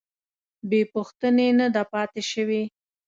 بې پوښتنې نه ده پاتې شوې.